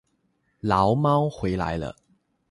牢猫回来了